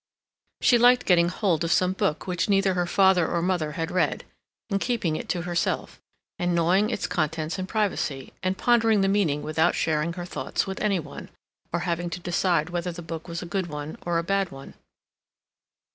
She liked getting hold of some book which neither her father or mother had read, and keeping it to herself, and gnawing its contents in privacy, and pondering the meaning without sharing her thoughts with any one, or having to decide whether the book was a good one or a bad one.